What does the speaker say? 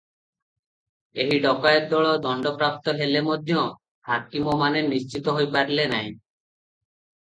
ଏହି ଡକାଏତ ଦଳ ଦଣ୍ଡ ପ୍ରାପ୍ତ ହେଲେ ମଧ୍ୟ ହାକିମମାନେ ନିଶ୍ଚିନ୍ତ ହୋଇ ପାରିଲେ ନାହିଁ ।